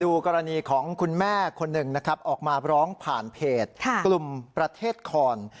กรณีของคุณแม่คนหนึ่งนะครับออกมาร้องผ่านเพจกลุ่มประเทศคอน